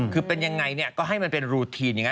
คือเป็นอย่างไรก็ให้มันเป็นรูทีน